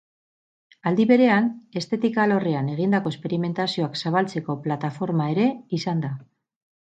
Aldi berean, estetika alorrean egindako esperimentazioak zabaltzeko plataforma ere izan da.